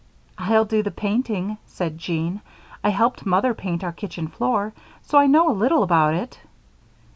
"I'll do the painting," said Jean. "I helped Mother paint our kitchen floor, so I know a little about it."